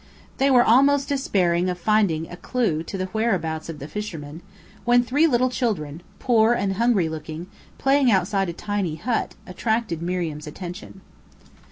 They were almost despairing of finding a clew to the whereabouts of the fisherman, when three little children, poor and hungry looking, playing outside a tiny hut, attracted Miriam's attention.